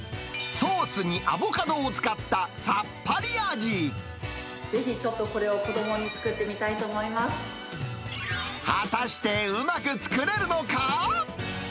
ソースにアボカドを使った、ぜひちょっと、これを子ども果たして、うまく作れるのか。